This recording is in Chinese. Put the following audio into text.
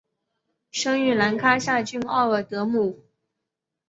生于兰开夏郡奥尔德姆。